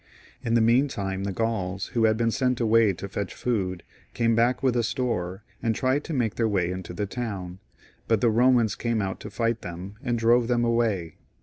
In the meantime, the Gauls who had been sent away to fetch food, csime back with a store,, spd tried to make their way into the town, but the Bomans came out to fight them, and drove them away.